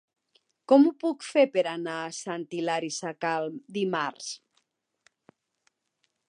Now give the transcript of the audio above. Com ho puc fer per anar a Sant Hilari Sacalm dimarts?